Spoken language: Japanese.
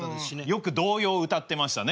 よく童謡歌ってましたね。